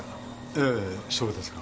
ええそうですが。